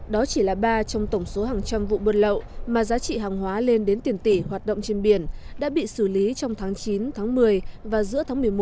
đó chỉ là ba trong tổng số hàng trăm vụ buôn lậu mà giá trị hàng hóa lên đến tiền tỷ hoạt động trên biển đã bị xử lý trong tháng chín tháng một mươi và giữa tháng một mươi một năm hai nghìn một mươi bảy